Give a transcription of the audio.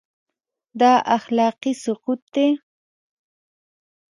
دا اخلاقي سقوط دی.